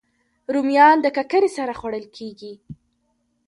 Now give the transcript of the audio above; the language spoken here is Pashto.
رومیان د ککرې سره خوړل کېږي